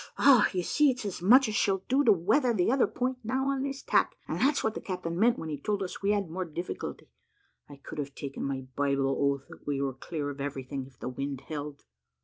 you see it's as much as she'll do to weather the other point now, on this tack, and that's what the captain meant when he told us we had more difficulty. I could have taken my Bible oath that we were clear of everything, if the wind held."